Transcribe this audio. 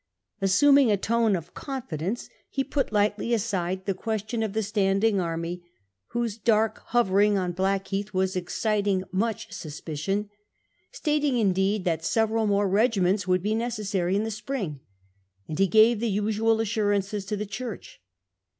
Assuming a tone of confidence, he put lightly aside the question of the standing army, whose ' dark hovering on Blackheath * was exciting much suspicion, stating indeed that several more regiments would be necessary in the spring ; and he gave the usual assurances to the Church.